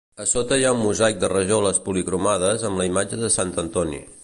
A sota hi ha un mosaic de rajoles policromades amb la imatge de Sant Antoni.